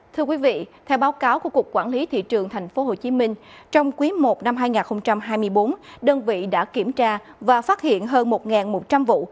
thưa quý vị theo báo cáo của cục quản lý thị trường tp hcm trong quý i năm hai nghìn hai mươi bốn đơn vị đã kiểm tra và phát hiện hơn một một trăm linh vụ